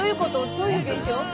どういう現象？